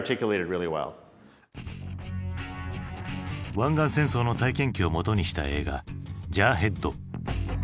湾岸戦争の体験記をもとにした映画「ジャーヘッド」。